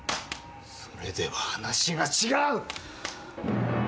それでは話が違う！